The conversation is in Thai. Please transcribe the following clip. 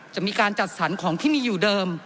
จะมีการจัดสรรของที่มีอยู่เดิม